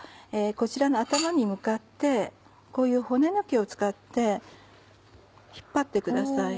こちらの頭に向かってこういう骨抜きを使って引っ張ってください。